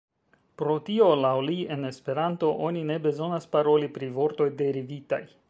Pro tio, laŭ li, en Esperanto oni ne bezonas paroli pri vortoj derivitaj.